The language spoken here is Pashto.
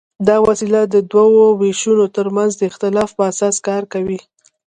دا وسیله د دوو وېشونو تر منځ د اختلاف په اساس کار کوي.